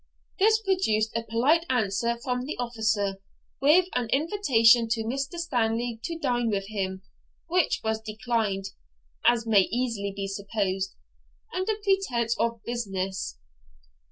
This produced a polite answer from the officer, with an invitation to Mr. Stanley to dine with him, which was declined (as may easily be supposed) under pretence of business.